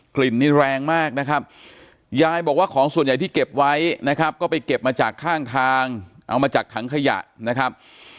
กลิ่นนี้แรงมากนะครับยายบอกว่าของส่วนใหญ่ที่เก็บไว้นะครับก็ไปเก็บมาจากข้างทางเอามาจากถังขยะนะครับ